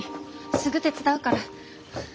すぐ手伝うから。